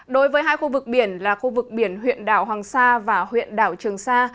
đối với hai khu vực biển là khu vực biển huyện đảo hoàng sa và huyện đảo trường sa